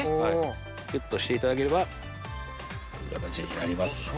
キュっとしていただければこんな感じになりますので。